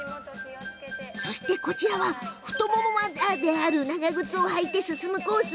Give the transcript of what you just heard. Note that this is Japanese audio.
こちらは、太ももまである長靴を履いて進むコース。